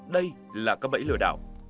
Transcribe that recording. đây là các bẫy lừa đảo